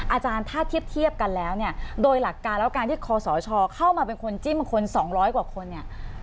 อาจารย์ถ้าเทียบกันแล้วเนี่ยโดยหลักการแล้วการที่คอสชเข้ามาเป็นคนจิ้มคน๒๐๐กว่าคนเนี่ย